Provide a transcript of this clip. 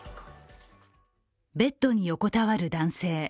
ベッドに横たわる男性。